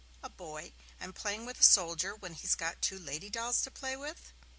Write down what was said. a boy, and playing with a soldier when he's got two lady dolls to play with?'